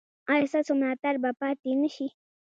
ایا ستاسو ملاتړ به پاتې نه شي؟